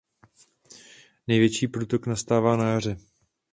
Největší průtok nastává na jaře.